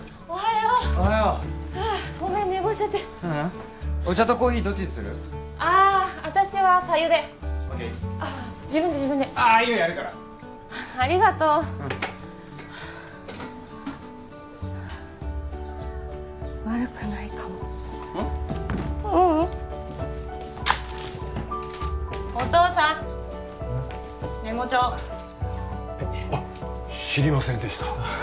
はいあっ知りませんでした